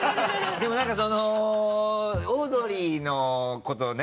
でも何かそのオードリーのことをね